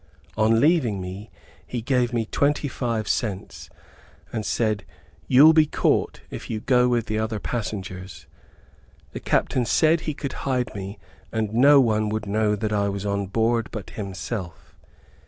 On leaving me, he gave me twenty five cents, and said, "you'll be caught if you go with the other passengers." The captain said he could hide me and no one know that I was on board, but himself.